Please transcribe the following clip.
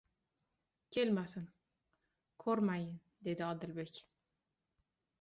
Kelmasin, ko'rmayin — dedi. Odilbek: